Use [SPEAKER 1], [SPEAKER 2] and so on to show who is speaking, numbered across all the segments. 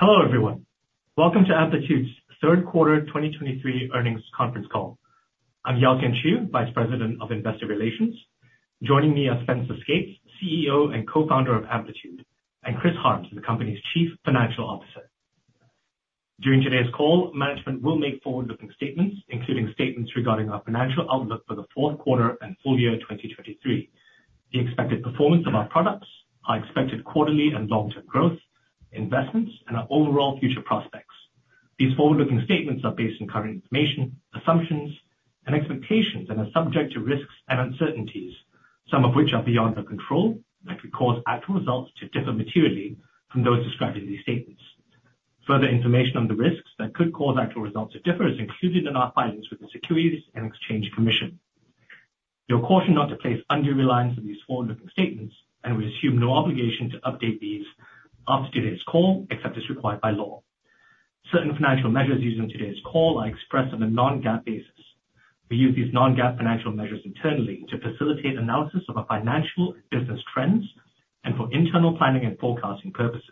[SPEAKER 1] Hello, everyone. Welcome to Amplitude's Q3 2023 earnings conference call. I'm Yaoxian Xu, Vice President of Investor Relations. Joining me are Spenser Skates, CEO and Co-founder of Amplitude, and Criss Harms, the company's Chief Financial Officer. During today's call, management will make forward-looking statements, including statements regarding our financial outlook for the fourth quarter and full year 2023, the expected performance of our products, our expected quarterly and long-term growth, investments, and our overall future prospects. These forward-looking statements are based on current information, assumptions, and expectations, and are subject to risks and uncertainties, some of which are beyond our control, that could cause actual results to differ materially from those described in these statements. Further information on the risks that could cause actual results to differ is included in our filings with the Securities and Exchange Commission. You're cautioned not to place undue reliance on these forward-looking statements, and we assume no obligation to update these after today's call, except as required by law. Certain financial measures used in today's call are expressed on a non-GAAP basis. We use these non-GAAP financial measures internally to facilitate analysis of our financial and business trends and for internal planning and forecasting purposes.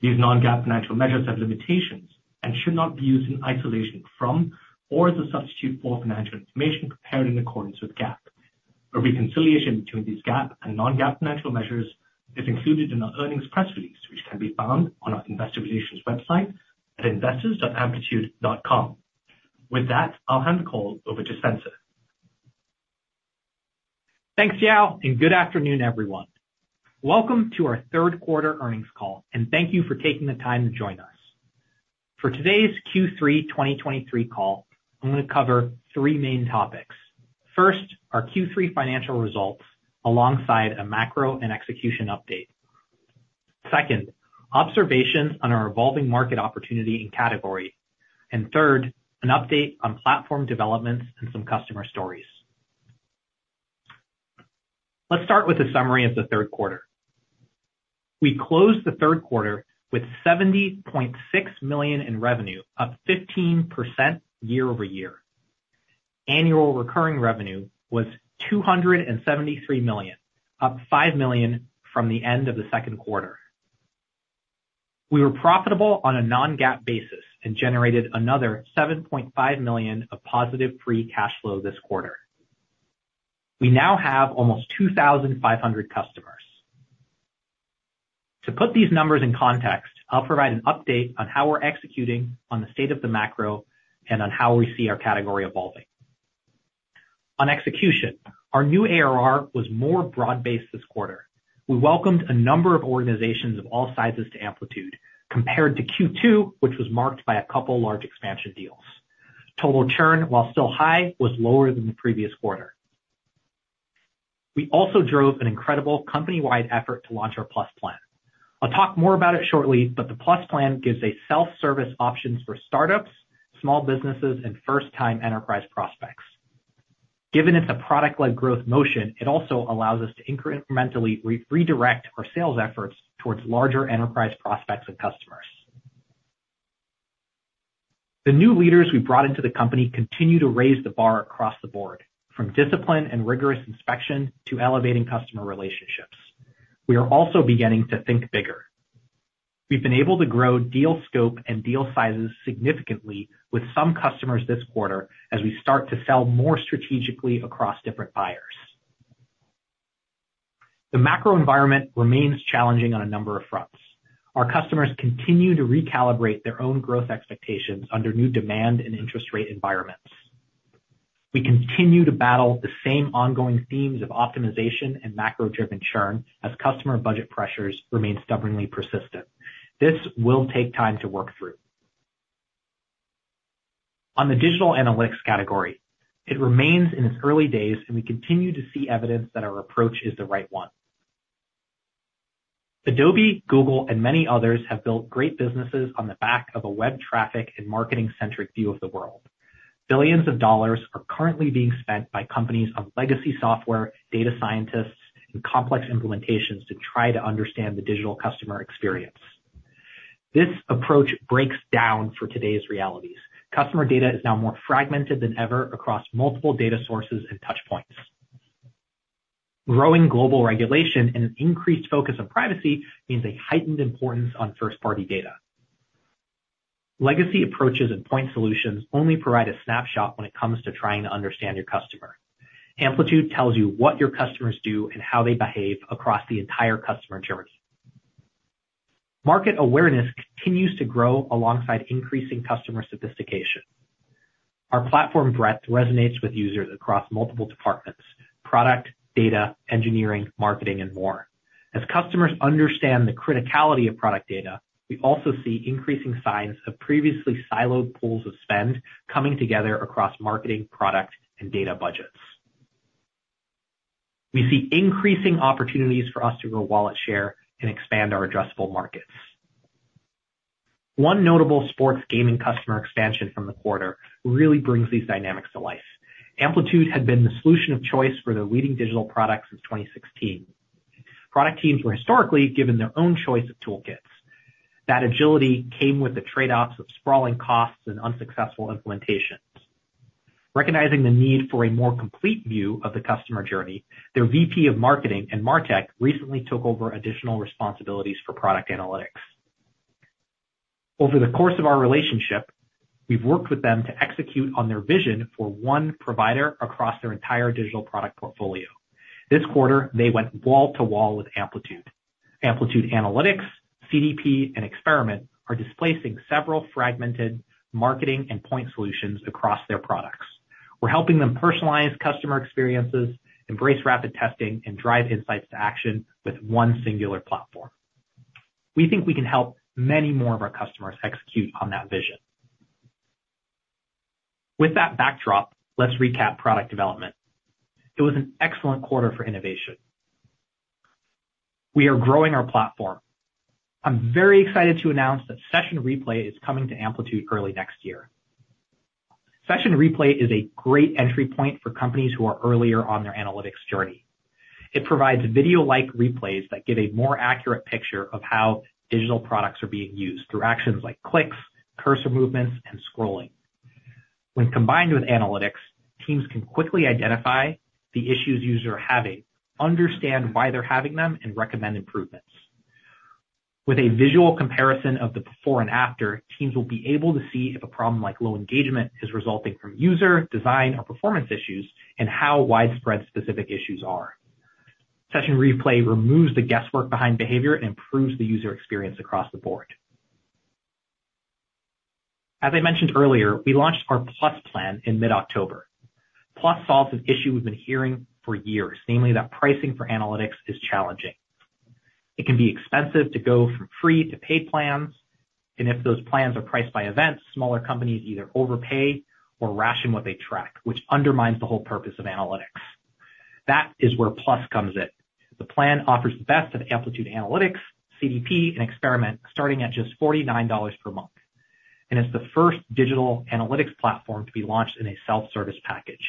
[SPEAKER 1] These non-GAAP financial measures have limitations and should not be used in isolation from or as a substitute for financial information prepared in accordance with GAAP. A reconciliation between these GAAP and non-GAAP financial measures is included in our earnings press release, which can be found on our investor relations website at investors.amplitude.com. With that, I'll hand the call over to Spenser.
[SPEAKER 2] Thanks, Yao, and good afternoon, everyone. Welcome to our third quarter earnings call, and thank you for taking the time to join us. For today's Q3 2023 call, I'm going to cover three main topics. First, our Q3 financial results, alongside a macro and execution update. Second, observations on our evolving market opportunity and category. And third, an update on platform developments and some customer stories. Let's start with a summary of the third quarter. We closed the third quarter with $70.6 million in revenue, up 15% year-over-year. Annual recurring revenue was $273 million, up $5 million from the end of the second quarter. We were profitable on a non-GAAP basis and generated another $7.5 million of positive free cash flow this quarter. We now have almost 2,500 customers. To put these numbers in context, I'll provide an update on how we're executing on the state of the macro and on how we see our category evolving. On execution, our new ARR was more broad-based this quarter. We welcomed a number of organizations of all sizes to Amplitude, compared to Q2, which was marked by a couple large expansion deals. Total churn, while still high, was lower than the previous quarter. We also drove an incredible company-wide effort to launch our Plus plan. I'll talk more about it shortly, but the Plus plan gives a self-service options for startups, small businesses, and first-time enterprise prospects. Given it's a product-led growth motion, it also allows us to incrementally redirect our sales efforts towards larger enterprise prospects and customers. The new leaders we brought into the company continue to raise the bar across the board, from discipline and rigorous inspection to elevating customer relationships. We are also beginning to think bigger. We've been able to grow deal scope and deal sizes significantly with some customers this quarter as we start to sell more strategically across different buyers. The macro environment remains challenging on a number of fronts. Our customers continue to recalibrate their own growth expectations under new demand and interest rate environments. We continue to battle the same ongoing themes of optimization and macro-driven churn as customer budget pressures remain stubbornly persistent. This will take time to work through. On the digital analytics category, it remains in its early days, and we continue to see evidence that our approach is the right one. Adobe, Google, and many others have built great businesses on the back of a web traffic and marketing-centric view of the world. $Billions are currently being spent by companies on legacy software, data scientists, and complex implementations to try to understand the digital customer experience. This approach breaks down for today's realities. Customer data is now more fragmented than ever across multiple data sources and touch points. Growing global regulation and an increased focus on privacy means a heightened importance on first-party data. Legacy approaches and point solutions only provide a snapshot when it comes to trying to understand your customer. Amplitude tells you what your customers do and how they behave across the entire customer journey. Market awareness continues to grow alongside increasing customer sophistication. Our platform breadth resonates with users across multiple departments: product, data, engineering, marketing, and more. As customers understand the criticality of product data, we also see increasing signs of previously siloed pools of spend coming together across marketing, product, and data budgets. We see increasing opportunities for us to grow wallet share and expand our addressable markets. One notable sports gaming customer expansion from the quarter really brings these dynamics to life. Amplitude had been the solution of choice for their leading digital product since 2016. Product teams were historically given their own choice of toolkits. That agility came with the trade-offs of sprawling costs and unsuccessful implementation. Recognizing the need for a more complete view of the customer journey, their VP of marketing and MarTech recently took over additional responsibilities for product analytics. Over the course of our relationship, we've worked with them to execute on their vision for one provider across their entire digital product portfolio. This quarter, they went wall to wall with Amplitude. Amplitude Analytics, CDP, and Experiment are displacing several fragmented marketing and point solutions across their products. We're helping them personalize customer experiences, embrace rapid testing, and drive insights to action with one singular platform. We think we can help many more of our customers execute on that vision. With that backdrop, let's recap product development. It was an excellent quarter for innovation. We are growing our platform. I'm very excited to announce that Session Replay is coming to Amplitude early next year. Session Replay is a great entry point for companies who are earlier on their analytics journey. It provides video-like replays that give a more accurate picture of how digital products are being used through actions like clicks, cursor movements, and scrolling. When combined with analytics, teams can quickly identify the issues users are having, understand why they're having them, and recommend improvements. With a visual comparison of the before and after, teams will be able to see if a problem like low engagement is resulting from user, design, or performance issues, and how widespread specific issues are. Session Replay removes the guesswork behind behavior and improves the user experience across the board. As I mentioned earlier, we launched our Plus plan in mid-October. Plus solves an issue we've been hearing for years, namely, that pricing for analytics is challenging. It can be expensive to go from free to paid plans, and if those plans are priced by events, smaller companies either overpay or ration what they track, which undermines the whole purpose of analytics. That is where Plus comes in. The plan offers the best of Amplitude Analytics, CDP, and Experiment, starting at just $49 per month, and it's the first digital analytics platform to be launched in a self-service package.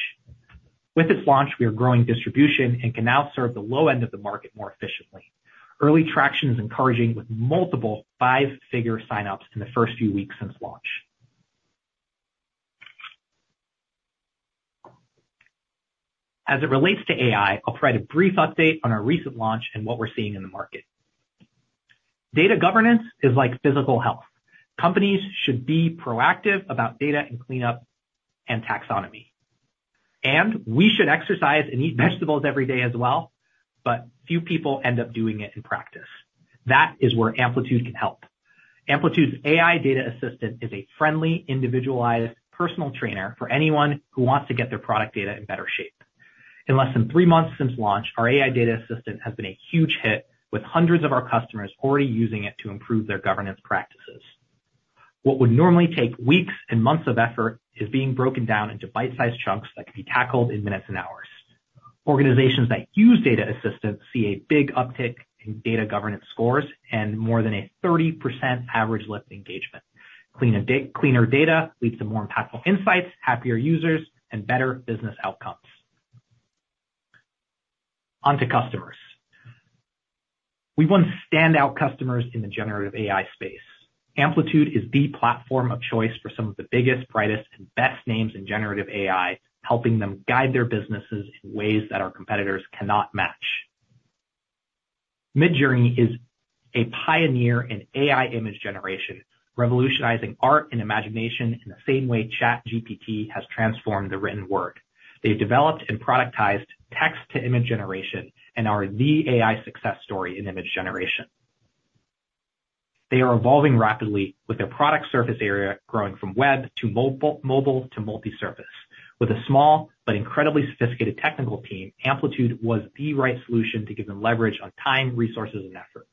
[SPEAKER 2] With its launch, we are growing distribution and can now serve the low end of the market more efficiently. Early traction is encouraging, with multiple five-figure sign-ups in the first few weeks since launch. As it relates to AI, I'll provide a brief update on our recent launch and what we're seeing in the market. Data governance is like physical health. Companies should be proactive about data and cleanup and taxonomy, and we should exercise and eat vegetables every day as well, but few people end up doing it in practice. That is where Amplitude can help. Amplitude's AI Data Assistant is a friendly, individualized personal trainer for anyone who wants to get their product data in better shape. In less than three months since launch, our AI data assistant has been a huge hit, with hundreds of our customers already using it to improve their governance practices. What would normally take weeks and months of effort is being broken down into bite-sized chunks that can be tackled in minutes and hours. Organizations that use data assistants see a big uptick in data governance scores and more than a 30% average lift engagement. Cleaner data leads to more impactful insights, happier users, and better business outcomes. On to customers. We've won standout customers in the generative AI space. Amplitude is the platform of choice for some of the biggest, brightest, and best names in generative AI, helping them guide their businesses in ways that our competitors cannot match. Midjourney is a pioneer in AI image generation, revolutionizing art and imagination in the same way ChatGPT has transformed the written word. They've developed and productized text-to-image generation and are the AI success story in image generation. They are evolving rapidly, with their product surface area growing from web to mobile, mobile to multi-surface. With a small but incredibly sophisticated technical team, Amplitude was the right solution to give them leverage on time, resources, and effort.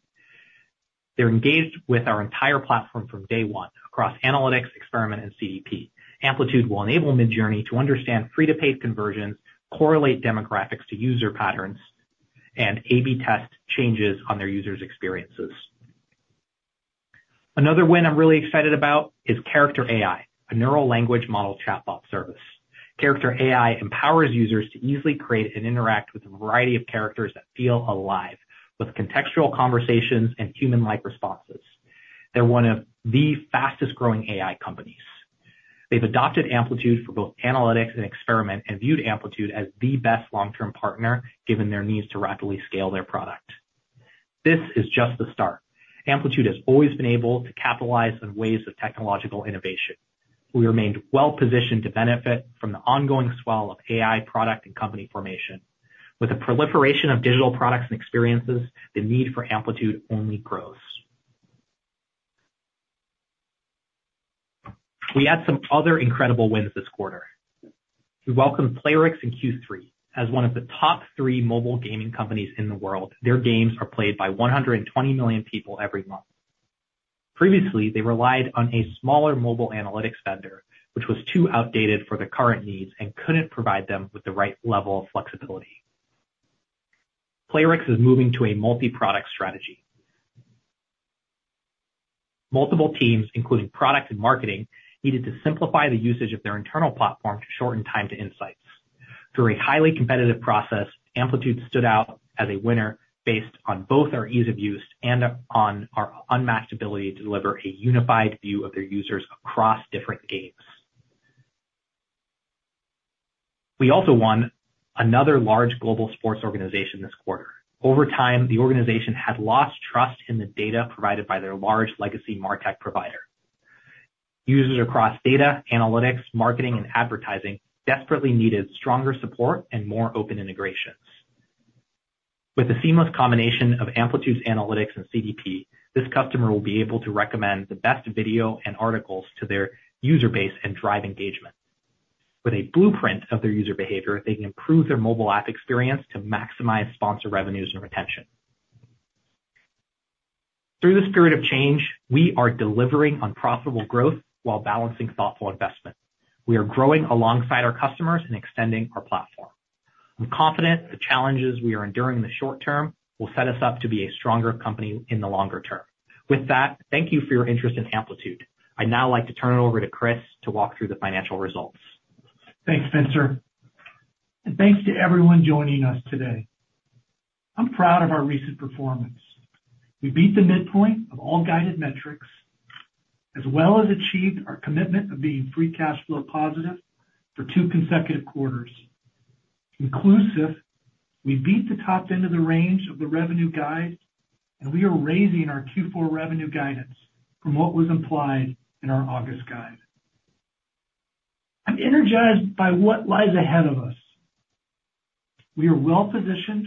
[SPEAKER 2] They're engaged with our entire platform from day one across analytics, experiment, and CDP. Amplitude will enable Midjourney to understand free-to-paid conversions, correlate demographics to user patterns, and A/B test changes on their users' experiences. Another win I'm really excited about is Character AI, a neural language model chatbot service. Character AI empowers users to easily create and interact with a variety of characters that feel alive, with contextual conversations and human-like responses. They're one of the fastest-growing AI companies. They've adopted Amplitude for both Analytics and Experiment, and viewed Amplitude as the best long-term partner, given their needs to rapidly scale their product. This is just the start. Amplitude has always been able to capitalize on waves of technological innovation. We remained well positioned to benefit from the ongoing swell of AI product and company formation. With the proliferation of digital products and experiences, the need for Amplitude only grows. We had some other incredible wins this quarter. We welcomed Playrix in Q3. As one of the top three mobile gaming companies in the world, their games are played by 120 million people every month. Previously, they relied on a smaller mobile analytics vendor, which was too outdated for their current needs and couldn't provide them with the right level of flexibility. Playrix is moving to a multi-product strategy. Multiple teams, including product and marketing, needed to simplify the usage of their internal platform to shorten time to insights. Through a highly competitive process, Amplitude stood out as a winner based on both our ease of use and on our unmatched ability to deliver a unified view of their users across different games. We also won another large global sports organization this quarter. Over time, the organization had lost trust in the data provided by their large legacy MarTech provider. Users across data, analytics, marketing, and advertising desperately needed stronger support and more open integrations. With the seamless combination of Amplitude's analytics and CDP, this customer will be able to recommend the best video and articles to their user base and drive engagement. With a blueprint of their user behavior, they can improve their mobile app experience to maximize sponsor revenues and retention. Through the spirit of change, we are delivering on profitable growth while balancing thoughtful investment. We are growing alongside our customers and extending our platform. I'm confident the challenges we are enduring in the short term will set us up to be a stronger company in the longer term. With that, thank you for your interest in Amplitude. I'd now like to turn it over to Chris to walk through the financial results.
[SPEAKER 3] Thanks, Spenser, and thanks to everyone joining us today. I'm proud of our recent performance. We beat the midpoint of all guided metrics, as well as achieved our commitment of being free cash flow positive for two consecutive quarters. In conclusion, we beat the top end of the range of the revenue guide, and we are raising our Q4 revenue guidance from what was implied in our August guide. I'm energized by what lies ahead of us. We are well-positioned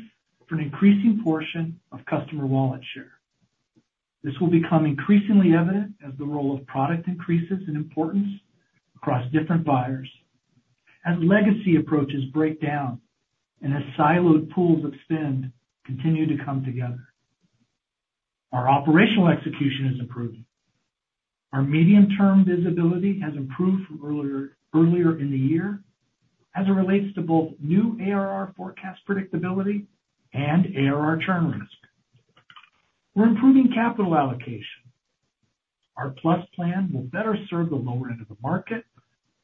[SPEAKER 3] for an increasing portion of customer wallet share. This will become increasingly evident as the role of product increases in importance across different buyers, as legacy approaches break down, and as siloed pools of spend continue to come together. Our operational execution is improving. Our medium-term visibility has improved from earlier, earlier in the year as it relates to both new ARR forecast predictability and ARR churn risk. We're improving capital allocation. Our Plus plan will better serve the lower end of the market,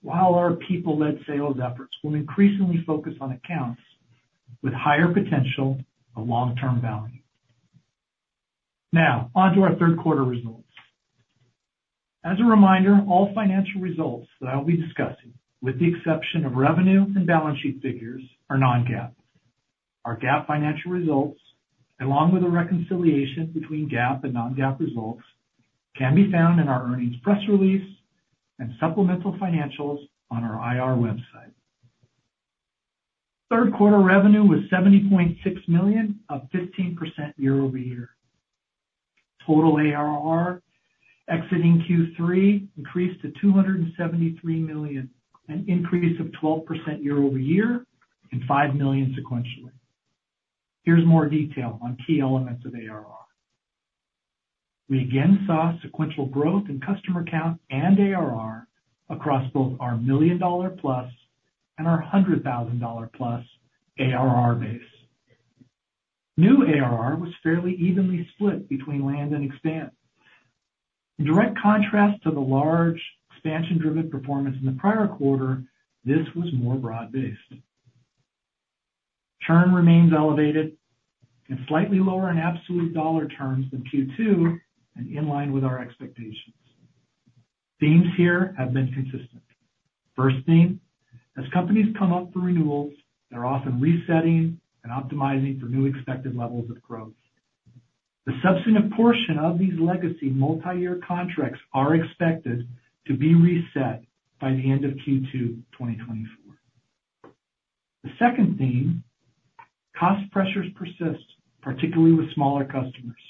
[SPEAKER 3] while our people-led sales efforts will increasingly focus on accounts with higher potential for long-term value. Now, on to our third quarter results. As a reminder, all financial results that I'll be discussing, with the exception of revenue and balance sheet figures, are non-GAAP. Our GAAP financial results, along with a reconciliation between GAAP and non-GAAP results, can be found in our earnings press release and supplemental financials on our IR website. Third quarter revenue was $70.6 million, up 15% year-over-year. Total ARR exiting Q3 increased to $273 million, an increase of 12% year-over-year and $5 million sequentially. Here's more detail on key elements of ARR. We again saw sequential growth in customer count and ARR across both our $1 million-plus and our $100,000-plus ARR base. New ARR was fairly evenly split between land and expand. In direct contrast to the large expansion-driven performance in the prior quarter, this was more broad-based. Churn remains elevated and slightly lower in absolute dollar terms than Q2 and in line with our expectations. Themes here have been consistent. First theme, as companies come up for renewals, they're often resetting and optimizing for new expected levels of growth. The substantive portion of these legacy multiyear contracts are expected to be reset by the end of Q2 2024. The second theme, cost pressures persist, particularly with smaller customers.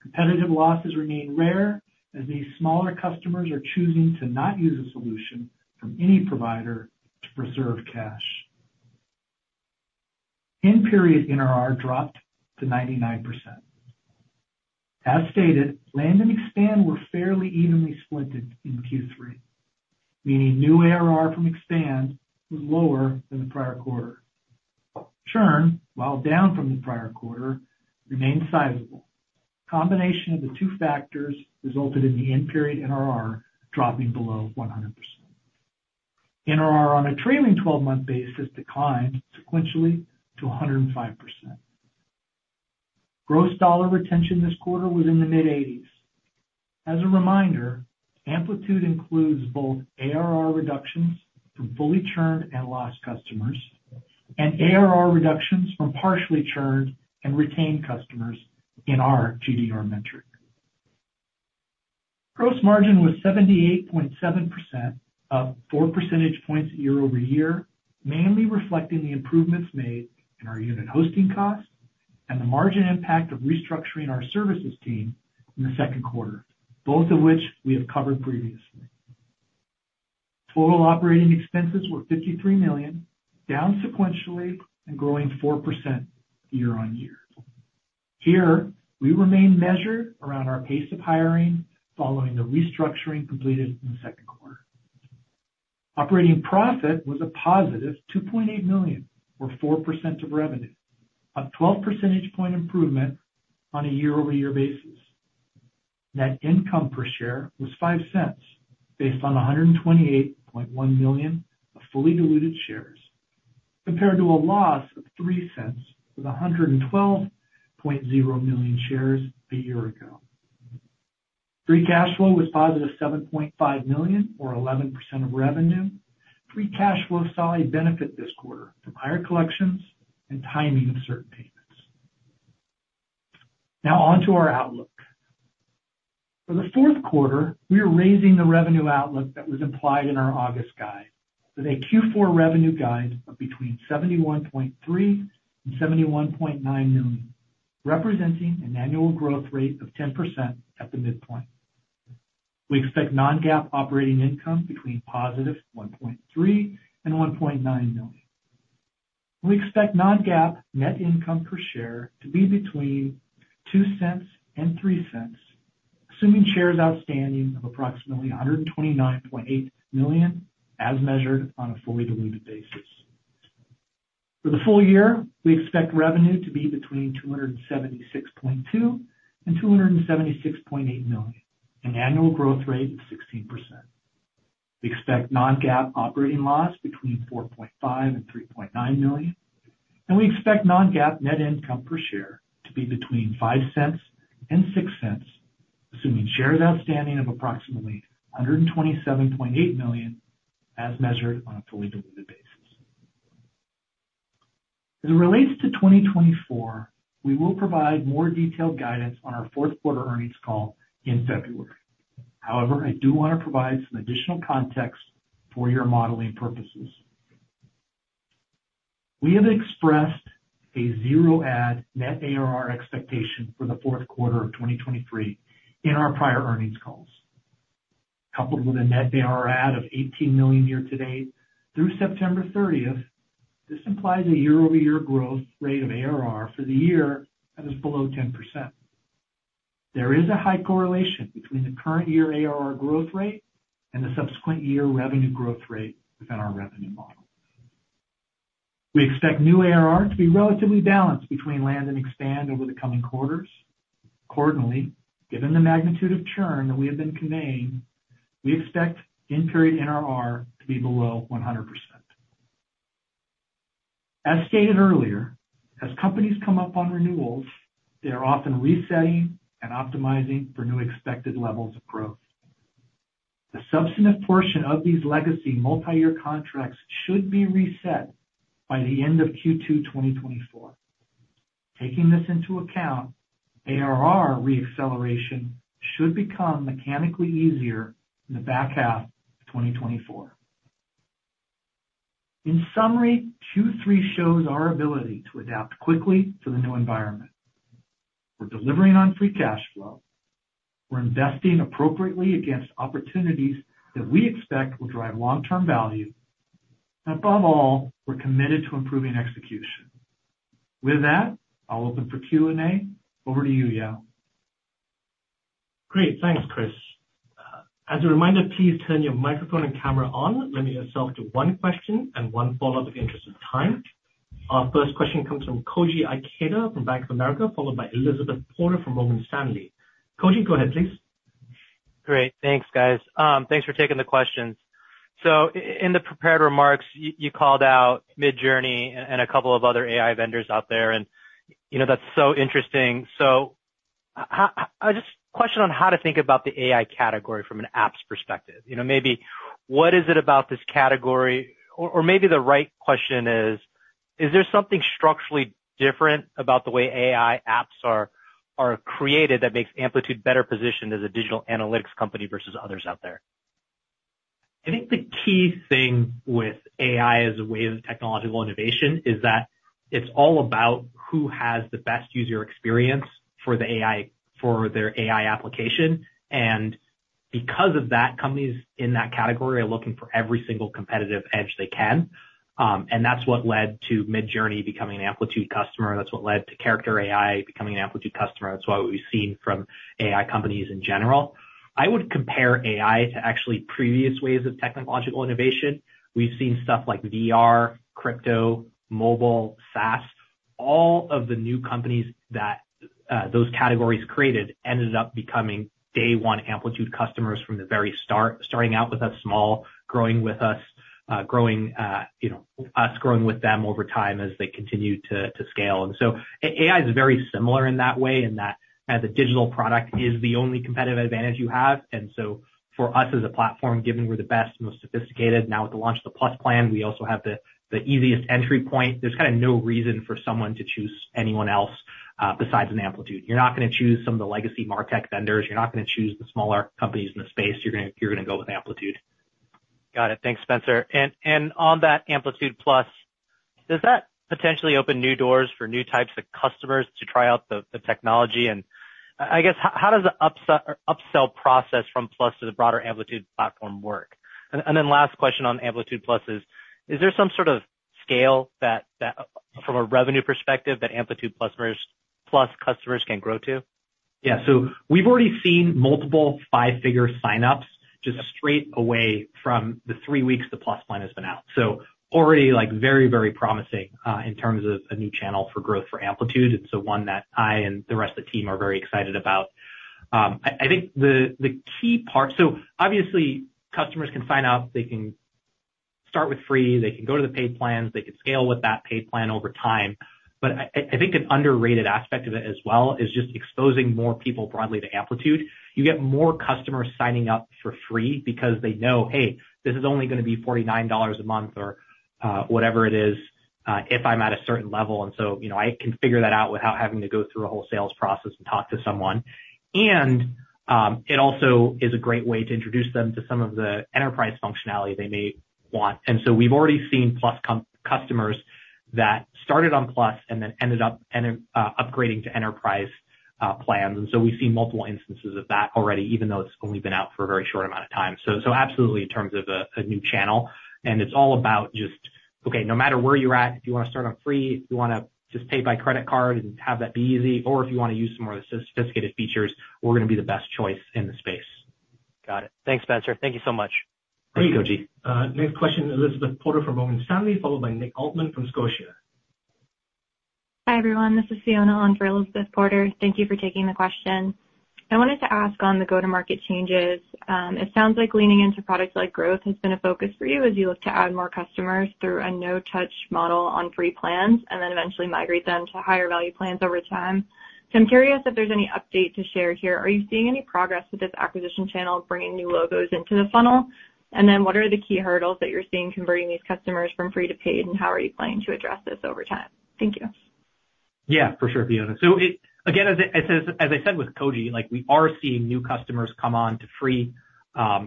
[SPEAKER 3] Competitive losses remain rare, as these smaller customers are choosing to not use a solution from any provider to preserve cash. In period, NRR dropped to 99%. As stated, land and expand were fairly evenly split in Q3, meaning new ARR from expand was lower than the prior quarter. Churn, while down from the prior quarter, remained sizable. Combination of the two factors resulted in the end period NRR dropping below 100%. NRR on a trailing twelve-month basis declined sequentially to 105%. Gross dollar retention this quarter was in the mid-80s. As a reminder, Amplitude includes both ARR reductions from fully churned and lost customers, and ARR reductions from partially churned and retained customers in our GDR metric. Gross margin was 78.7%, up four percentage points year-over-year, mainly reflecting the improvements made in our unit hosting costs and the margin impact of restructuring our services team in the second quarter, both of which we have covered previously. Total operating expenses were $53 million, down sequentially and growing 4% year-on-year. Here, we remain measured around our pace of hiring following the restructuring completed in the second quarter. Operating profit was a positive $2.8 million, or 4% of revenue, a 12 percentage point improvement on a year-over-year basis. Net income per share was $0.05, based on 128.1 million of fully diluted shares, compared to a loss of $0.03 with 112.0 million shares a year ago. Free cash flow was positive $7.5 million, or 11% of revenue. Free cash flow saw a benefit this quarter from higher collections and timing of certain payments. Now on to our outlook. For the fourth quarter, we are raising the revenue outlook that was implied in our August guide, with a Q4 revenue guide of between $71.3 million and $71.9 million, representing an annual growth rate of 10% at the midpoint. We expect non-GAAP operating income between positive $1.3 million and $1.9 million. We expect non-GAAP net income per share to be between $0.02 and $0.03, assuming shares outstanding of approximately 129.8 million, as measured on a fully diluted basis. For the full year, we expect revenue to be between $276.2 million and $276.8 million, an annual growth rate of 16%. We expect non-GAAP operating loss between $4.5 million and $3.9 million, and we expect non-GAAP net income per share to be between $0.05 and $0.06, assuming shares outstanding of approximately 127.8 million, as measured on a fully diluted basis. As it relates to 2024, we will provide more detailed guidance on our fourth quarter earnings call in February. However, I do want to provide some additional context for your modeling purposes. We have expressed a 0 add net ARR expectation for the fourth quarter of 2023 in our prior earnings calls. Coupled with a net ARR add of $18 million year to date through September 30, this implies a year-over-year growth rate of ARR for the year that is below 10%. There is a high correlation between the current year ARR growth rate and the subsequent year revenue growth rate within our revenue model. We expect new ARR to be relatively balanced between land and expand over the coming quarters. Accordingly, given the magnitude of churn that we have been conveying, we expect in-period NRR to be below 100%. As stated earlier, as companies come up on renewals, they are often resetting and optimizing for new expected levels of growth. The substantive portion of these legacy multi-year contracts should be reset by the end of Q2 2024. Taking this into account, ARR re-acceleration should become mechanically easier in the back half of 2024. In summary, Q3 shows our ability to adapt quickly to the new environment. We're delivering on free cash flow. We're investing appropriately against opportunities that we expect will drive long-term value. Above all, we're committed to improving execution. With that, I'll open for Q&A. Over to you, Yao.
[SPEAKER 1] Great. Thanks, Chris. As a reminder, please turn your microphone and camera on. Limit yourself to one question and one follow-up in the interest of time. Our first question comes from Koji Ikeda from Bank of America, followed by Elizabeth Porter from Morgan Stanley. Koji, go ahead, please.
[SPEAKER 4] Great, thanks, guys. Thanks for taking the questions. So in the prepared remarks, you called out Midjourney and a couple of other AI vendors out there, and, you know, that's so interesting. So how, just question on how to think about the AI category from an apps perspective. You know, maybe what is it about this category, or maybe the right question is: Is there something structurally different about the way AI apps are created that makes Amplitude better positioned as a digital analytics company versus others out there?
[SPEAKER 2] I think the key thing with AI as a wave of technological innovation is that it's all about who has the best user experience for the AI, for their AI application. and because of that, companies in that category are looking for every single competitive edge they can. And that's what led to Midjourney becoming an Amplitude customer, and that's what led to Character AI becoming an Amplitude customer. That's what we've seen from AI companies in general. I would compare AI to actually previous ways of technological innovation. We've seen stuff like VR, crypto, mobile, SaaS. All of the new companies that those categories created ended up becoming day one Amplitude customers from the very start, starting out with us small, growing with us, you know, us growing with them over time as they continue to scale.
[SPEAKER 3] So AI is very similar in that way, in that, as a digital product is the only competitive advantage you have. And so for us as a platform, given we're the best and most sophisticated, now with the launch of the Plus plan, we also have the, the easiest entry point. There's kind of no reason for someone to choose anyone else, besides an Amplitude. You're not gonna choose some of the legacy MarTech vendors. You're not gonna choose the smaller companies in the space. You're gonna, you're gonna go with Amplitude.
[SPEAKER 4] Got it. Thanks, Spenser. And on that Amplitude Plus, does that potentially open new doors for new types of customers to try out the technology? and I guess how does the upsell process from Plus to the broader Amplitude platform work? and then last question on Amplitude Plus is: Is there some sort of scale that from a revenue perspective that Amplitude Plus versus Plus customers can grow to?
[SPEAKER 3] Yeah. So we've already seen multiple five-figure signups Just straight away from the three weeks the Plus plan has been out. So already, like, very, very promising in terms of a new channel for growth for Amplitude. It's the one that I and the rest of the team are very excited about. I think the key part. So obviously, customers can sign up, they can start with free, they can go to the paid plans, they can scale with that paid plan over time. But I think an underrated aspect of it as well is just exposing more people broadly to Amplitude.
[SPEAKER 2] You get more customers signing up for free because they know, "Hey, this is only gonna be $49 a month or whatever it is if I'm at a certain level, and so, you know, I can figure that out without having to go through a whole sales process and talk to someone, and it also is a great way to introduce them to some of the enterprise functionality they may want, and so we've already seen Plus customers that started on Plus and then ended up upgrading to enterprise plans. so we've seen multiple instances of that already, even though it's only been out for a very short amount of time. So absolutely in terms of a new channel, and it's all about just Okay, no matter where you're at, if you wanna start on free, if you wanna just pay by credit card and have that be easy, or if you wanna use some more sophisticated features, we're gonna be the best choice in the space.
[SPEAKER 5] Got it. Thanks, Spenser. Thank you so much.
[SPEAKER 2] Great.
[SPEAKER 1] Koji, next question, Elizabeth Porter from Morgan Stanley, followed by Nick Altmann from Scotia.
[SPEAKER 6] Hi, everyone. This is Fiona on for Elizabeth Porter. Thank you for taking the question. I wanted to ask on the go-to-market changes, it sounds like leaning into products like growth has been a focus for you as you look to add more customers through a no-touch model on free plans, and then eventually migrate them to higher value plans over time. So I'm curious if there's any update to share here. Are you seeing any progress with this acquisition channel bringing new logos into the funnel? and then, what are the key hurdles that you're seeing converting these customers from free to paid, and how are you planning to address this over time? Thank you.
[SPEAKER 2] Yeah, for sure, Fiona. So, again, as I said with Koji, like, we are seeing new customers come on to free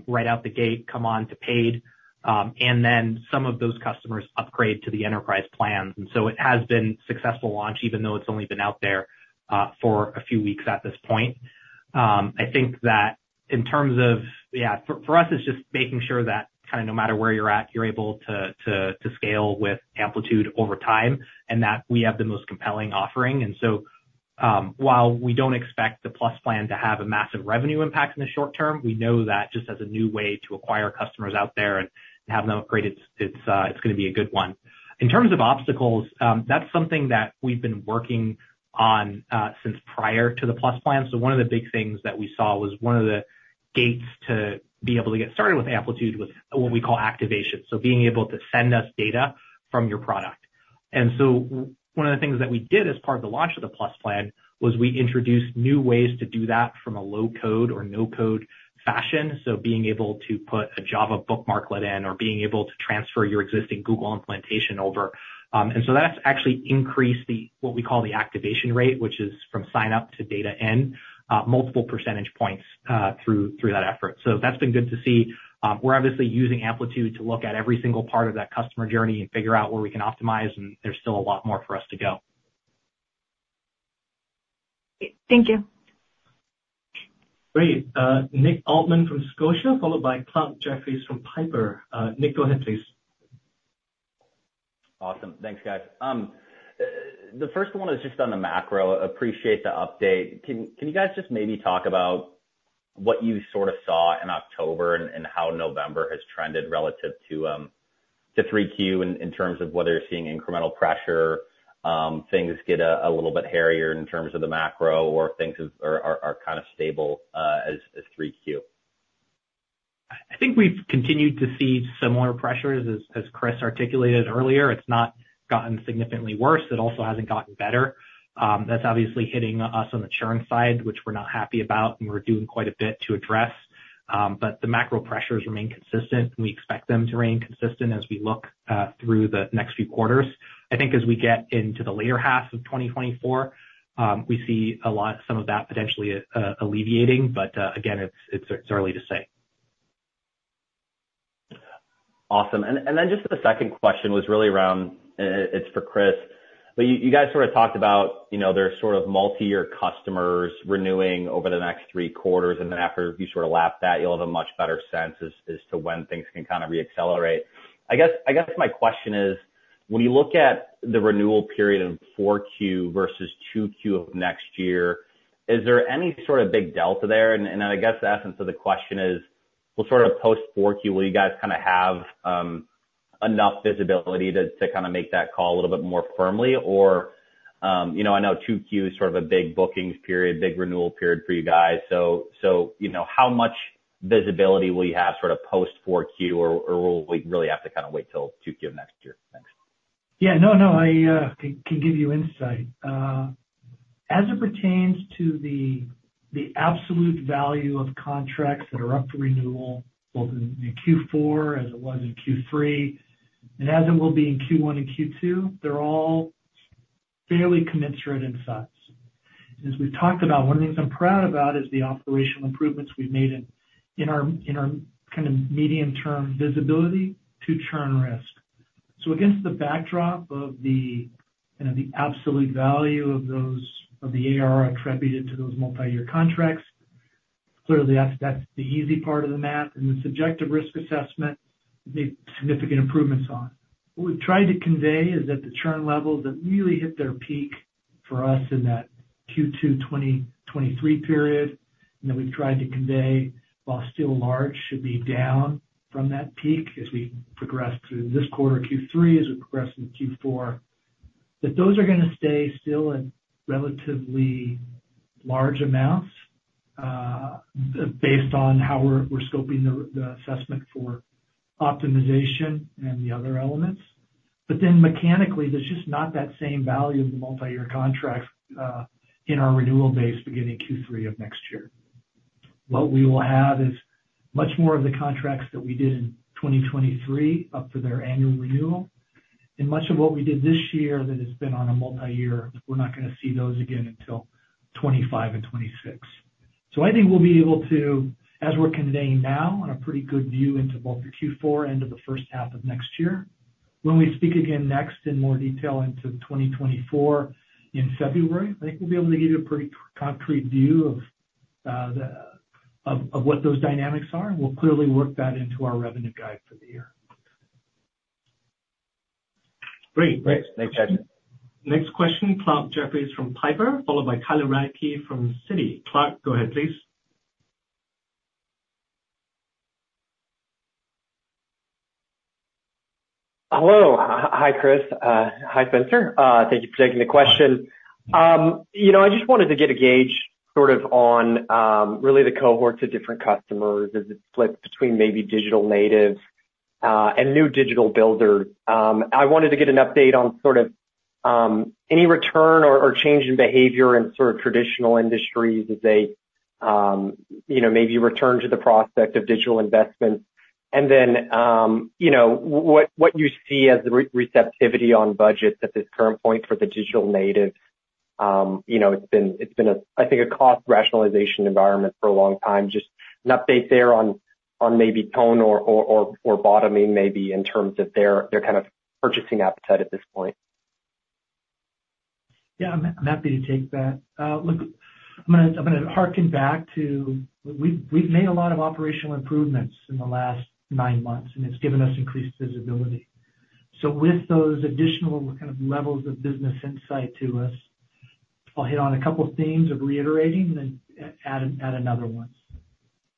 [SPEAKER 2] right out the gate, come on to paid, and then some of those customers upgrade to the enterprise plans, and so it has been a successful launch, even though it's only been out there for a few weeks at this point. I think that in terms of Yeah, for us, it's just making sure that kind of no matter where you're at, you're able to scale with Amplitude over time, and that we have the most compelling offering. And so, while we don't expect the Plus plan to have a massive revenue impact in the short term, we know that just as a new way to acquire customers out there and have them upgrade, it's gonna be a good one. In terms of obstacles, that's something that we've been working on since prior to the Plus plan. So one of the big things that we saw was one of the gates to be able to get started with Amplitude was what we call activation, so being able to send us data from your product, and so one of the things that we did as part of the launch of the Plus plan was we introduced new ways to do that from a low-code or no-code fashion. So being able to put a Java bookmarklet in, or being able to transfer your existing Google implementation over, and so that's actually increased the, what we call the activation rate, which is from sign-up to data in, multiple percentage points, through that effort. So that's been good to see. We're obviously using Amplitude to look at every single part of that customer journey and figure out where we can optimize, and there's still a lot more for us to go.
[SPEAKER 6] Thank you.
[SPEAKER 1] Great, followed by Clarke Jeffries from Piper. Nick, go ahead, please.
[SPEAKER 7] Awesome. Thanks, guys. The first one is just on the macro. Appreciate the update. Can you guys just maybe talk about what you sort of saw in October and how November has trended relative to 3Q, in terms of whether you're seeing incremental pressure, things get a little bit hairier in terms of the macro, or if things are kind of stable, as 3Q?
[SPEAKER 2] I think we've continued to see similar pressures as, as Chris articulated earlier. It's not gotten significantly worse. It also hasn't gotten better. That's obviously hitting us on the churn side, which we're not happy about, and we're doing quite a bit to address. But the macro pressures remain consistent, and we expect them to remain consistent as we look through the next few quarters. I think as we get into the latter half of 2024, we see a lot, some of that potentially alleviating, but again, it's early to say.
[SPEAKER 7] Awesome, and then just the second question was really around, it's for Chris. But you, you guys sort of talked about, you know, there are sort of multi-year customers renewing over the next 3 quarters, and then after you sort of lap that, you'll have a much better sense as to when things can kind of reaccelerate. I guess my question is: when you look at the renewal period of 4Q versus 2Q of next year, is there any sort of big delta there? and I guess the essence of the question is, well, sort of post 4Q, will you guys kind of have enough visibility to kind of make that call a little bit more firmly? Or, you know, I know 2Q is sort of a big bookings period, big renewal period for you guys, so, so, you know, how much visibility will you have sort of post 4Q, or, or will we really have to kind of wait till 2Q of next year? Thanks.
[SPEAKER 3] Yeah, no, no, I can give you insight. As it pertains to the absolute value of contracts that are up for renewal, both in Q4 as it was in Q3, and as it will be in Q1 and Q2, they're all fairly commensurate in size. As we've talked about, one of the things I'm proud about is the operational improvements we've made in our kind of medium-term visibility to churn risk. So against the backdrop of the, you know, absolute value of those, of the ARR attributed to those multi-year contracts, clearly, that's the easy part of the math, and the subjective risk assessment made significant improvements on. What we've tried to convey is that the churn levels that really hit their peak For us in that Q2 2023 period, and that we've tried to convey, while still large, should be down from that peak as we progress through this quarter, Q3, as we progress into Q4, that those are gonna stay still at relatively large amounts, based on how we're scoping the assessment for optimization and the other elements. But then mechanically, there's just not that same value of the multiyear contract in our renewal base beginning Q3 of next year. What we will have is much more of the contracts that we did in 2023 up for their annual renewal, and much of what we did this year that has been on a multi-year, we're not gonna see those again until 2025 and 2026. I think we'll be able to, as we're conveying now, on a pretty good view into both the Q4 end of the first half of next year. When we speak again next in more detail into 2024 in February, I think we'll be able to give you a pretty concrete view of the of what those dynamics are, and we'll clearly work that into our revenue guide for the year.
[SPEAKER 1] Great.
[SPEAKER 2] Great. Thanks, guys.
[SPEAKER 1] Next question, Clarke Jeffries from Piper, followed by Tyler Radke from Citi. Clark, go ahead, please.
[SPEAKER 8] Hello. Hi, Chris. Hi, Spenser. Thank you for taking the question. You know, I just wanted to get a gauge sort of on really the cohorts of different customers as it splits between maybe digital natives and new digital builders. I wanted to get an update on sort of any return or change in behavior in sort of traditional industries as they, you know, maybe return to the prospect of digital investments, and then, you know, what you see as the receptivity on budgets at this current point for the digital native? You know, it's been a, I think, a cost rationalization environment for a long time. Just an update there on maybe tone or bottoming maybe in terms of their kind of purchasing appetite at this point.
[SPEAKER 3] Yeah, I'm happy to take that. Look, I'm gonna harken back to we've made a lot of operational improvements in the last nine months, and it's given us increased visibility. So with those additional kind of levels of business insight to us, I'll hit on a couple of themes of reiterating and then add another one.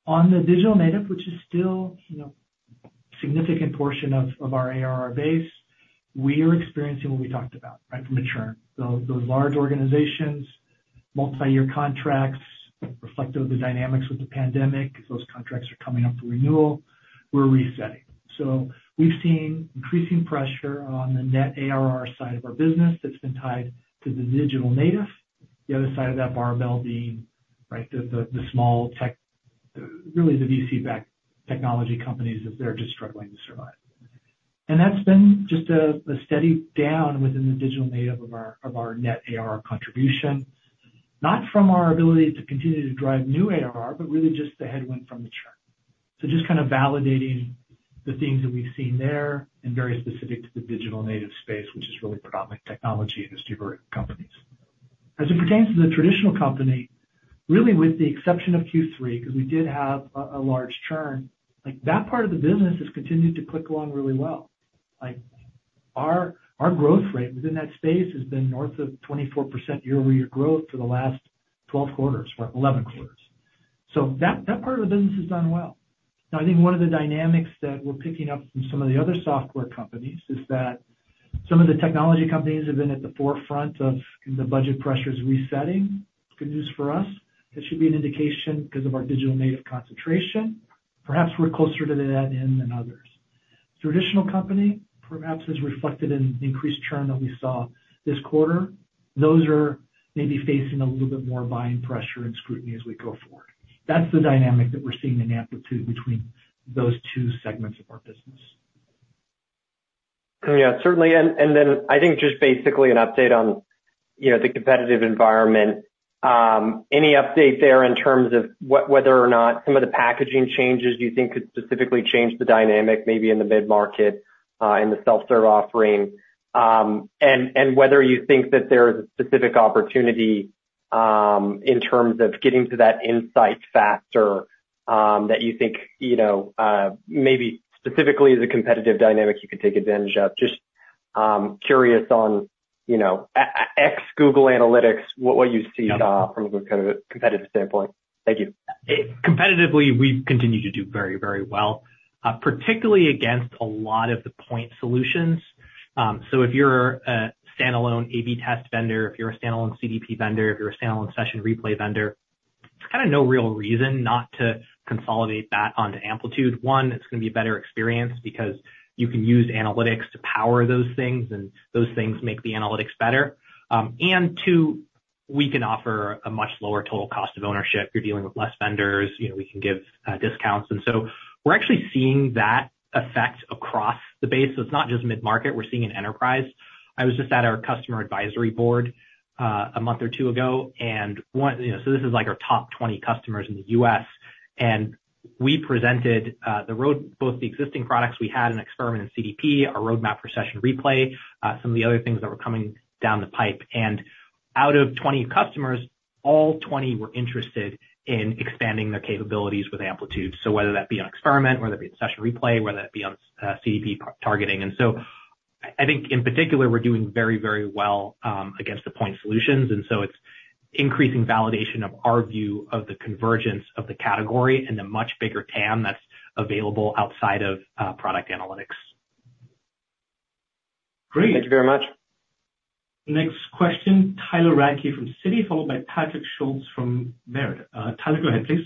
[SPEAKER 3] On the digital native, which is still, you know, significant portion of our ARR base, we are experiencing what we talked about, right, from mature. Those large organizations, multiyear contracts, reflective of the dynamics with the pandemic, as those contracts are coming up to renewal, we're resetting. So we've seen increasing pressure on the net ARR side of our business that's been tied to the digital native. The other side of that barbell being, right, the small tech, really the VC-backed technology companies, as they're just struggling to survive. That's been just a steady down within the digital native of our net ARR contribution, not from our ability to continue to drive new ARR, but really just the headwind from the churn. So just kind of validating the themes that we've seen there and very specific to the digital native space, which is really predominant technology industry-driven companies. As it pertains to the traditional company, really with the exception of Q3, because we did have a large churn, like, that part of the business has continued to click along really well. Like, our growth rate within that space has been north of 24% year-over-year growth for the last 12 quarters, or 11 quarters. So that part of the business has done well. Now, I think one of the dynamics that we're picking up from some of the other software companies is that some of the technology companies have been at the forefront of the budget pressures resetting. Good news for us. That should be an indication because of our digital native concentration. Perhaps we're closer to that end than others. Traditional company, perhaps, as reflected in the increased churn that we saw this quarter, those are maybe facing a little bit more buying pressure and scrutiny as we go forward. That's the dynamic that we're seeing in Amplitude between those two segments of our business.
[SPEAKER 8] Yeah, certainly, and then I think just basically an update on, you know, the competitive environment. Any update there in terms of what, whether or not some of the packaging changes you think could specifically change the dynamic, maybe in the mid-market, in the self-serve offering? and whether you think that there's a specific opportunity, in terms of getting to that insight faster, that you think, you know, maybe specifically as a competitive dynamic you could take advantage of? Just curious on, you know, ex-Google Analytics, what you see from a kind of a competitive standpoint. Thank you.
[SPEAKER 2] Competitively, we've continued to do very, very well, particularly against a lot of the point solutions. So if you're a standalone A/B test vendor, if you're a standalone CDP vendor, if you're a standalone session replay vendor, there's kind of no real reason not to consolidate that onto Amplitude. One, it's gonna be a better experience because you can use analytics to power those things, and those things make the analytics better, and two, we can offer a much lower total cost of ownership. You're dealing with less vendors, you know, we can give, discounts, and so we're actually seeing that effect across the base. So it's not just mid-market, we're seeing in enterprise. I was just at our customer advisory board, a month or 2 ago, and one— You know, so this is like our top 20 customers in the U.S., and we presented, the road, both the existing products we had in Experiment and CDP, our roadmap for Session Replay, some of the other things that were coming down the pipe, and out of 20 customers, all 20 were interested in expanding their capabilities with Amplitude. So whether that be on Experiment, whether it be on Session Replay, whether that be on, CDP targeting, and so I think in particular, we're doing very, very well, against the point solutions, and so it's increasing validation of our view of the convergence of the category and the much bigger TAM that's available outside of, product analytics.
[SPEAKER 1] Great. Thank you very much. Next question, Tyler Radke from Citi, followed by Patrick Schulz from Baird. Tyler, go ahead, please.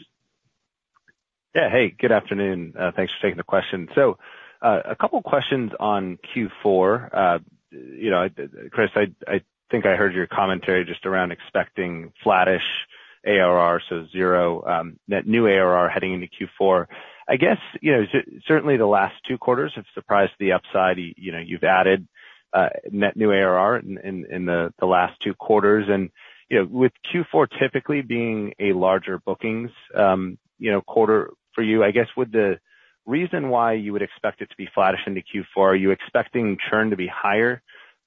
[SPEAKER 9] Yeah. Hey, good afternoon. Thanks for taking the question. So, a couple questions on Q4. You know, Chris, I think I heard your commentary just around expecting flattish ARR, so zero, net new ARR heading into Q4. I guess, you know, certainly the last two quarters have surprised the upside. You know, you've added, net new ARR in the last two quarters, and, you know, with Q4 typically being a larger bookings, you know, quarter for you, I guess, would the reason why you would expect it to be flattish into Q4, are you expecting churn to be higher,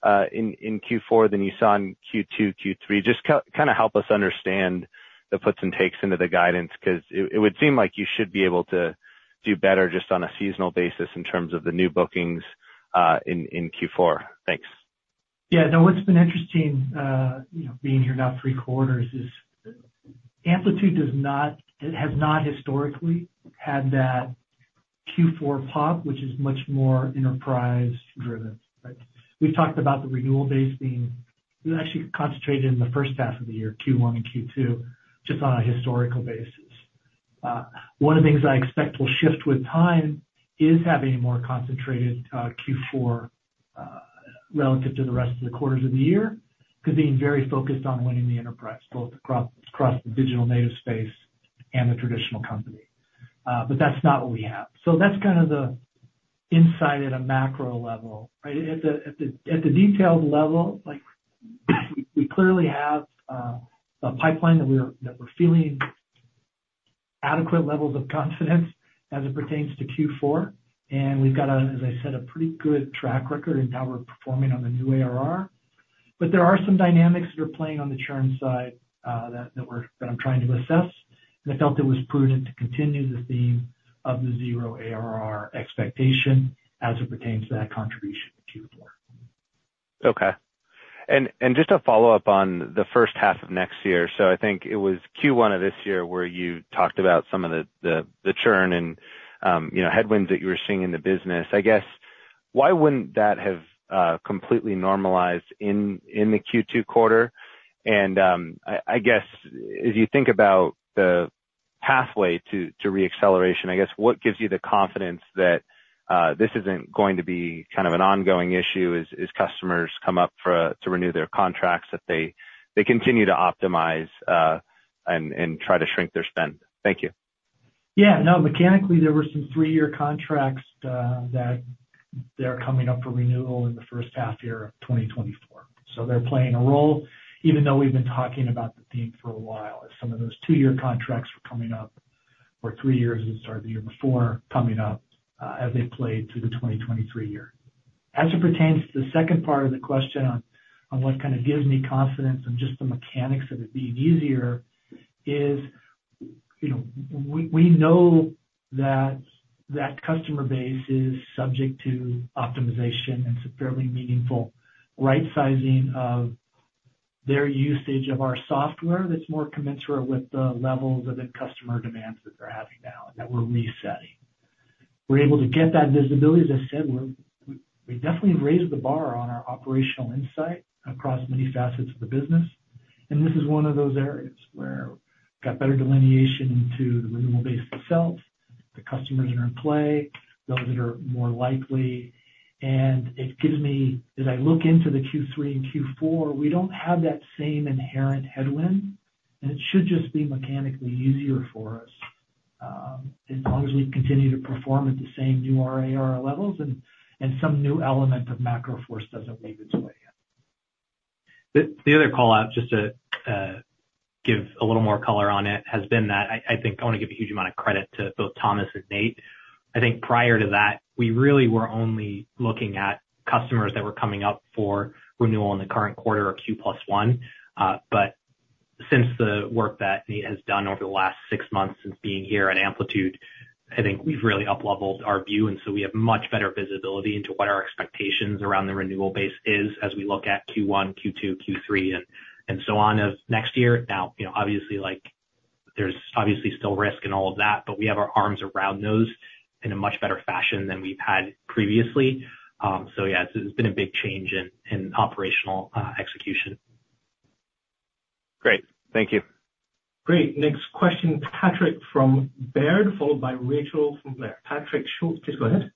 [SPEAKER 9] in Q4 than you saw in Q2, Q3? Just kind of help us understand the puts and takes into the guidance, 'cause it would seem like you should be able to do better just on a seasonal basis in terms of the new bookings in Q4. Thanks.
[SPEAKER 3] Yeah, no, what's been interesting, you know, being here now three quarters is Amplitude does not—it has not historically had that Q4 pop, which is much more enterprise driven, right? We've talked about the renewal base being actually concentrated in the first half of the year, Q1 and Q2, just on a historical basis. One of the things I expect will shift with time is having a more concentrated Q4 relative to the rest of the quarters of the year, because being very focused on winning the enterprise, both across, across the digital native space and the traditional company. But that's not what we have. So that's kind of the insight at a macro level, right? At the detailed level, like, we clearly have a pipeline that we're feeling adequate levels of confidence as it pertains to Q4, and we've got a, as I said, a pretty good track record in how we're performing on the new ARR. But there are some dynamics that are playing on the churn side, that I'm trying to assess, and I felt it was prudent to continue the theme of the zero ARR expectation as it pertains to that contribution to Q4.
[SPEAKER 9] Okay. And just to follow up on the first half of next year, so I think it was Q1 of this year, where you talked about some of the the churn and, you know, headwinds that you were seeing in the business. I guess, why wouldn't that have completely normalized in the Q2 quarter? And, I guess, as you think about the pathway to reacceleration, I guess, what gives you the confidence that this isn't going to be kind of an ongoing issue as customers come up for to renew their contracts, that they continue to optimize and try to shrink their spend? Thank you.
[SPEAKER 3] Yeah, no, mechanically, there were some 3-year contracts that they're coming up for renewal in the first half of 2024. So they're playing a role, even though we've been talking about the theme for a while, as some of those 2-year contracts were coming up, or 3 years that started the year before coming up, as they played through the 2023 year. As it pertains to the second part of the question on, on what kind of gives me confidence and just the mechanics of it being easier is, you know, we, we know that that customer base is subject to optimization and some fairly meaningful right sizing of their usage of our software that's more commensurate with the levels of the customer demands that they're having now, and that we're resetting. We're able to get that visibility. As I said, we've definitely raised the bar on our operational insight across many facets of the business, and this is one of those areas where got better delineation into the renewal base itself, the customers that are in play, those that are more likely. And it gives me, as I look into the Q3 and Q4, we don't have that same inherent headwind, and it should just be mechanically easier for us, as long as we continue to perform at the same new ARR levels and, and some new element of macro force doesn't make its way in.
[SPEAKER 2] The other call out, just to give a little more color on it, has been that I think I want to give a huge amount of credit to both Thomas and Nate. I think prior to that, we really were only looking at customers that were coming up for renewal in the current quarter or Q plus one. But since the work that Nate has done over the last six months since being here at Amplitude, I think we've really upleveled our view, and so we have much better visibility into what our expectations around the renewal base is as we look at Q1, Q2, Q3, and so on of next year. Now, you know, obviously, like, there's obviously still risk in all of that, but we have our arms around those in a much better fashion than we've had previously. So yeah, it's been a big change in operational execution.
[SPEAKER 9] Great. Thank you.
[SPEAKER 1] Great. Next question, Patrick from Baird, followed by Rachel from Blair. Patrick Schultz, please go ahead.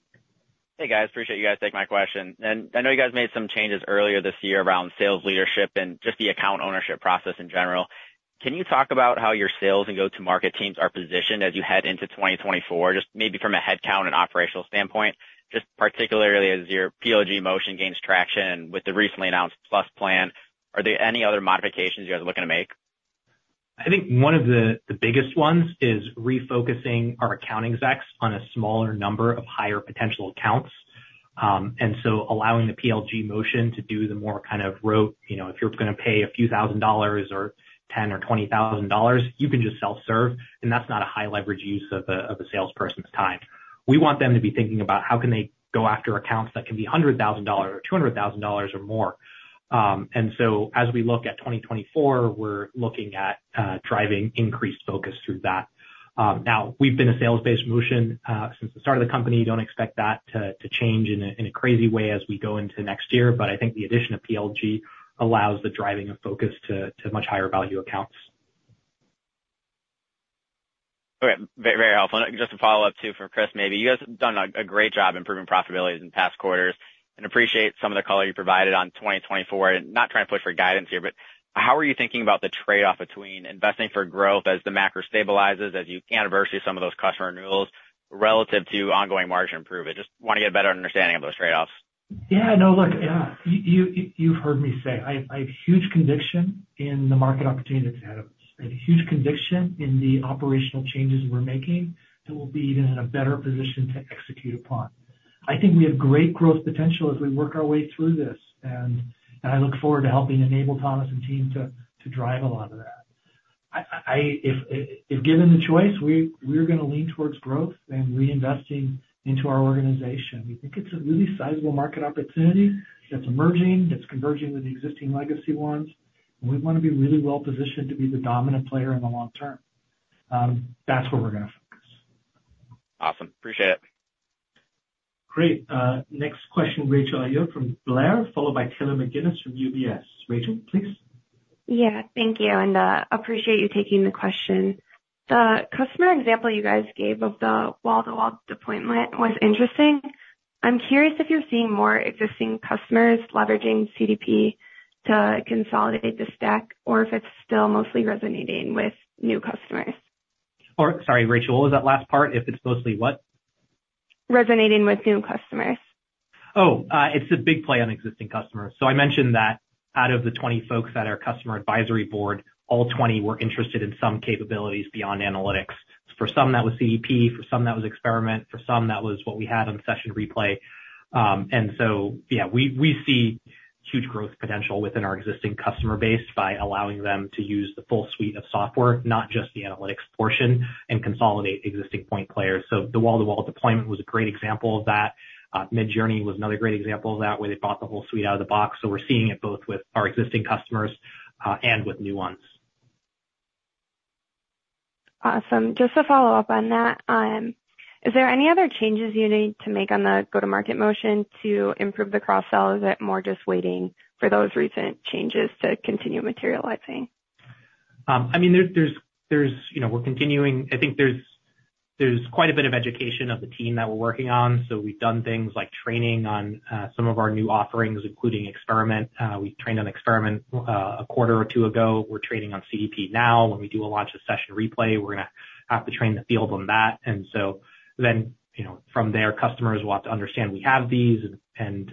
[SPEAKER 10] Hey, guys, appreciate you guys taking my question. I know you guys made some changes earlier this year around sales leadership and just the account ownership process in general. Can you talk about how your sales and go-to-market teams are positioned as you head into 2024, just maybe from a headcount and operational standpoint, just particularly as your PLG motion gains traction with the recently announced Plus plan? Are there any other modifications you guys are looking to make?
[SPEAKER 2] I think one of the biggest ones is refocusing our account execs on a smaller number of higher potential accounts. And so allowing the PLG motion to do the more kind of rote, you know, if you're going to pay a few thousand dollars or $10,000 or $20,000, you can just self-serve, and that's not a high leverage use of a salesperson's time. We want them to be thinking about how can they go after accounts that can be $100,000 or $200,000 or more. And so as we look at 2024, we're looking at driving increased focus through that. Now, we've been a sales-based motion since the start of the company. Don't expect that to change in a crazy way as we go into next year. I think the addition of PLG allows the driving of focus to much higher value accounts.
[SPEAKER 11] Okay. Very, very helpful. And just a follow-up, too, for Chris, maybe. You guys have done a great job improving profitability in past quarters and appreciate some of the color you provided on 2024, and not trying to push for guidance here, but how are you thinking about the trade-off between investing for growth as the macro stabilizes, as you anniversary some of those customer renewals relative to ongoing margin improvement? Just want to get a better understanding of those trade-offs.
[SPEAKER 3] Yeah, I know. Look, yeah, you've heard me say I have huge conviction in the market opportunity that's ahead of us. I have huge conviction in the operational changes we're making, that we'll be in a better position to execute upon. I think we have great growth potential as we work our way through this, and I look forward to helping enable Thomas and team to drive a lot of that. If given the choice, we're gonna lean towards growth and reinvesting into our organization. We think it's a really sizable market opportunity that's emerging, that's converging with the existing legacy ones, and we want to be really well positioned to be the dominant player in the long term. That's where we're gonna focus.
[SPEAKER 11] Awesome. Appreciate it.
[SPEAKER 1] Great. Next question, Rachel Ayo from Blair, followed by Taylor McGinnis from UBS. Rachel, please.
[SPEAKER 12] Yeah, thank you, and, appreciate you taking the question. The customer example you guys gave of the wall-to-wall deployment was interesting. I'm curious if you're seeing more existing customers leveraging CDP to consolidate the stack, or if it's still mostly resonating with new customers?
[SPEAKER 2] Or sorry, Rachel, what was that last part? If it's mostly what?
[SPEAKER 12] Resonating with new customers.
[SPEAKER 2] It's a big play on existing customers. So I mentioned that out of the 20 folks at our customer advisory board, all 20 were interested in some capabilities beyond analytics. For some, that was CDP. For some, that was experiment. For some, that was what we had on session replay. And so, yeah, we see huge growth potential within our existing customer base by allowing them to use the full suite of software, not just the analytics portion, and consolidate existing point players. So the wall-to-wall deployment was a great example of that. Midjourney was another great example of that, where they bought the whole suite out of the box. So we're seeing it both with our existing customers, and with new ones.
[SPEAKER 12] Awesome. Just to follow up on that, is there any other changes you need to make on the go-to-market motion to improve the cross-sell, or is it more just waiting for those recent changes to continue materializing?
[SPEAKER 2] I mean, there's, you know, we're continuing. I think there's quite a bit of education of the team that we're working on. So we've done things like training on some of our new offerings, including Experiment. We trained on Experiment a quarter or two ago. We're training on CDP now. When we do a launch of Session Replay, we're gonna have to train the field on that. And so then, you know, from there, customers will have to understand we have these and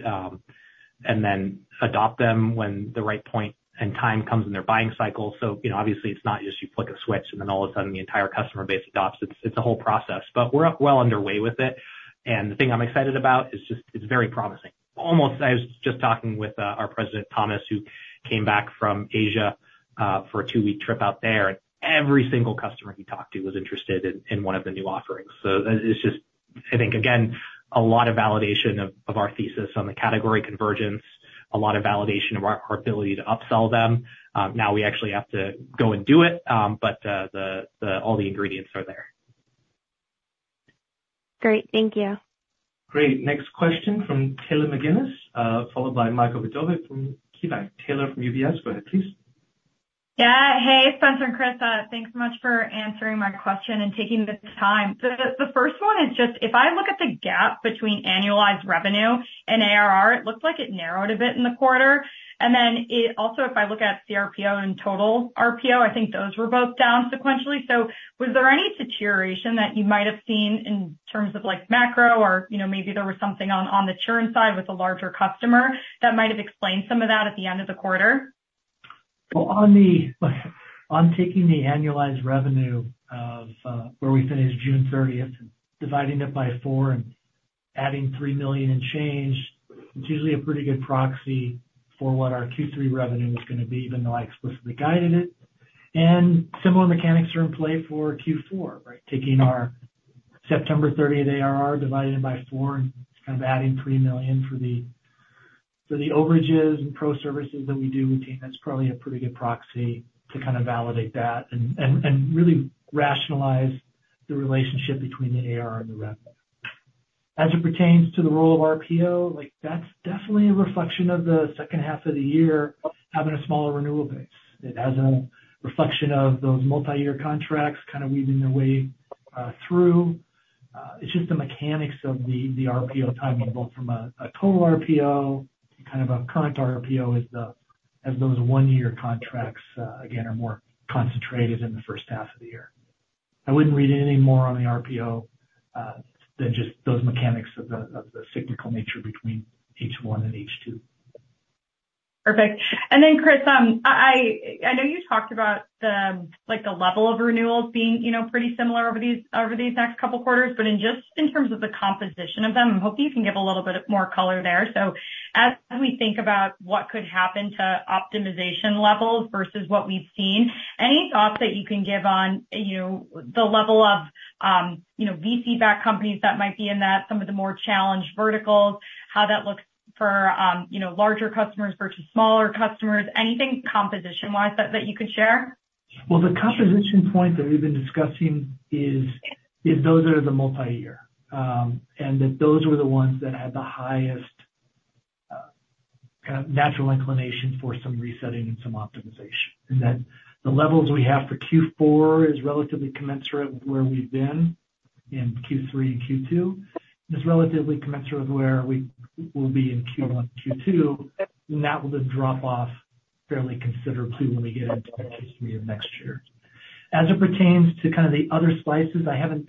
[SPEAKER 2] then adopt them when the right point and time comes in their buying cycle. So, you know, obviously, it's not just you flick a switch, and then all of a sudden, the entire customer base adopts it. It's a whole process, but we're well underway with it, and the thing I'm excited about is just, it's very promising. Almost, I was just talking with our president, Thomas, who came back from Asia for a two-week trip out there, and every single customer he talked to was interested in one of the new offerings. So it's just, I think, again, a lot of validation of our thesis on the category convergence, a lot of validation of our ability to upsell them. Now we actually have to go and do it, but all the ingredients are there.
[SPEAKER 12] Great. Thank you.
[SPEAKER 1] Great. Next question from Taylor McGinnis, followed by Michael Vidovic from KeyBanc. Taylor from UBS, go ahead, please.
[SPEAKER 13] Yeah. Hey, Spenser and Chris, thanks so much for answering my question and taking the time. So the first one is just if I look at the gap between annualized revenue and ARR, it looks like it narrowed a bit in the quarter, and then it Also, if I look at CRPO and total RPO, I think those were both down sequentially. So was there any saturation that you might have seen in terms of, like, macro or, you know, maybe there was something on the churn side with a larger customer that might have explained some of that at the end of the quarter?
[SPEAKER 3] Well, on the, on taking the annualized revenue of where we finished June 30th, dividing it by 4 and adding $3 million in change, it's usually a pretty good proxy for what our Q3 revenue is gonna be, even though I explicitly guided it. And similar mechanics are in play for Q4, right? Taking our September 30th ARR, dividing it by 4 and kind of adding $3 million for the overages and pro services that we do, I think that's probably a pretty good proxy to kind of validate that and really rationalize the relationship between the ARR and the rev. As it pertains to the role of RPO, like, that's definitely a reflection of the second half of the year having a smaller renewal base. It has a reflection of those multiyear contracts kind of weaving their way through. It's just the mechanics of the RPO timing, both from a total RPO, kind of a current RPO, as those one-year contracts again are more concentrated in the first half of the year. I wouldn't read any more on the RPO than just those mechanics of the cyclical nature between H1 and H2.
[SPEAKER 13] Perfect. And then, Chris, I know you talked about the, like, the level of renewals being, you know, pretty similar over these next couple quarters, but in just terms of the composition of them, I'm hoping you can give a little bit more color there. So as we think about what could happen to optimization levels versus what we've seen, any thoughts that you can give on, you know, the level of- you know, VC-backed companies that might be in that, some of the more challenged verticals, how that looks for, you know, larger customers versus smaller customers. Anything composition-wise that you could share?
[SPEAKER 3] Well, the composition point that we've been discussing is those are the multi-year. And that those were the ones that had the highest kind of natural inclination for some resetting and some optimization. And that the levels we have for Q4 is relatively commensurate with where we've been in Q3 and Q2, and is relatively commensurate with where we will be in Q1 and Q2. And that will just drop off fairly considerably when we get into Q3 of next year. As it pertains to kind of the other slices, I haven't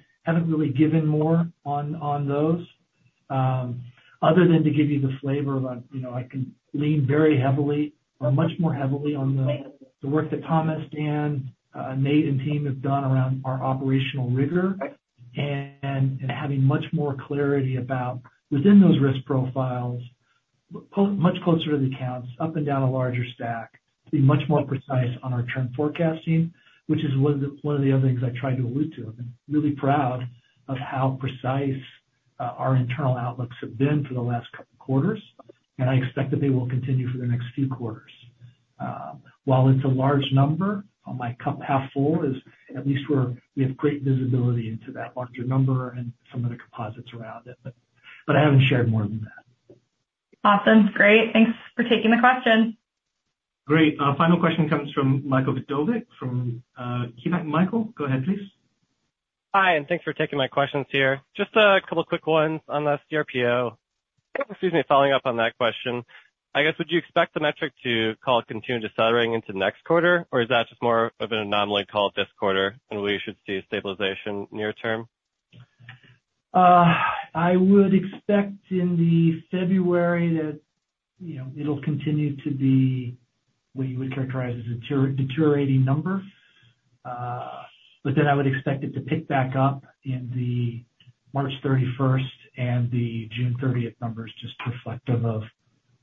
[SPEAKER 3] really given more on those other than to give you the flavor of, you know, I can lean very heavily or much more heavily on the work that Thomas and Nate and team have done around our operational rigor. And having much more clarity about within those risk profiles, much closer to the accounts, up and down a larger stack, to be much more precise on our trend forecasting, which is one of the other things I tried to allude to. I've been really proud of how precise our internal outlooks have been for the last couple quarters, and I expect that they will continue for the next few quarters. While it's a large number, my cup half full is at least we have great visibility into that larger number and some of the composites around it. But I haven't shared more than that.
[SPEAKER 13] Awesome. Great. Thanks for taking the question.
[SPEAKER 1] Great. Our final question comes from Michael Vidovich from KeyBanc. Michael, go ahead, please.
[SPEAKER 14] Hi, and thanks for taking my questions here. Just a couple quick ones on the CRPO. Excuse me, following up on that question, I guess, would you expect the metric to call it continue decelerating into next quarter, or is that just more of an anomaly call it this quarter, and we should see a stabilization near term?
[SPEAKER 3] I would expect in the February that, you know, it'll continue to be what you would characterize as a deteriorating number. But then I would expect it to pick back up in the March thirty-first and the June thirtieth numbers, just reflective of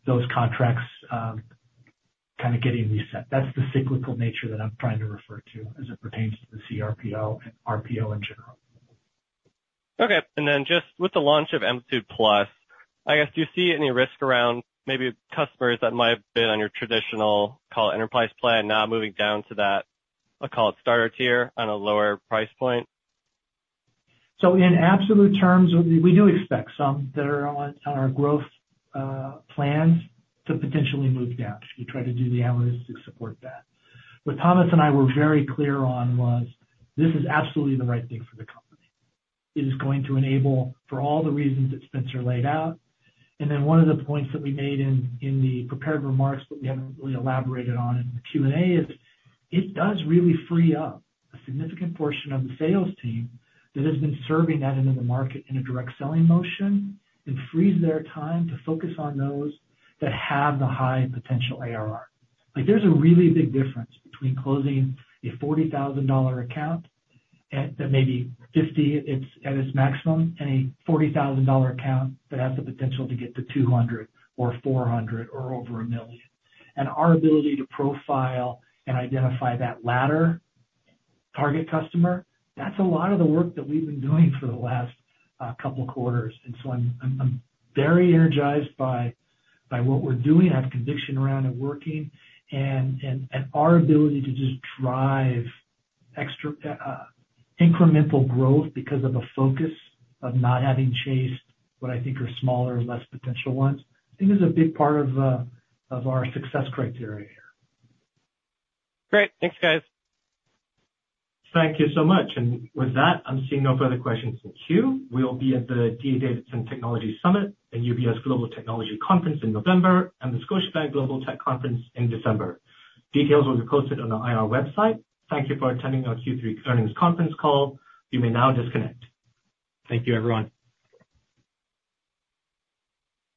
[SPEAKER 3] those contracts, kind of getting reset. That's the cyclical nature that I'm trying to refer to as it pertains to the CRPO and RPO in general.
[SPEAKER 14] Okay. And then just with the launch of Amplitude Plus, I guess, do you see any risk around maybe customers that might have been on your traditional, call it enterprise plan, now moving down to that, I'll call it starter tier, on a lower price point?
[SPEAKER 3] In absolute terms, we do expect some that are on our growth plans to potentially move down. We try to do the analysis to support that. What Thomas and I were very clear on was, this is absolutely the right thing for the company. It is going to enable, for all the reasons that Spenser laid out, and then one of the points that we made in the prepared remarks that we haven't really elaborated on in the Q&A is, it does really free up a significant portion of the sales team that has been serving that end of the market in a direct selling motion, and frees their time to focus on those that have the high potential ARR. Like, there's a really big difference between closing a $40,000 account that may be $50,000 at its maximum, and a $40,000 account that has the potential to get to $200 or $400 or over $1 million. And our ability to profile and identify that latter target customer, that's a lot of the work that we've been doing for the last couple quarters. And so I'm very energized by what we're doing. I have conviction around it working and our ability to just drive extra incremental growth because of a focus on not having chased what I think are smaller, less potential ones. I think is a big part of our success criteria here.
[SPEAKER 14] Great. Thanks, guys.
[SPEAKER 1] Thank you so much. And with that, I'm seeing no further questions in queue. We'll be at the D. A. Davidson Technology Summit, the UBS Global Technology Conference in November, and the Scotiabank Global Tech Conference in December. Details will be posted on our IR website. Thank you for attending our Q3 earnings conference call. You may now disconnect. Thank you, everyone.